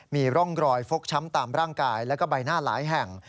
มีร่องรอยฟกช้ำตามร่างกายแล้วก็ใบหน้าหลายแห่ง